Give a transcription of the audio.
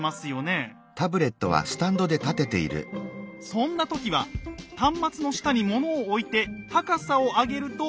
そんな時は端末の下に物を置いて高さを上げるといいんですよ。